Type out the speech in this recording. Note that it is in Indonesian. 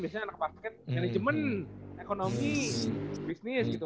biasanya anak basket manajemen ekonomi bisnis gitu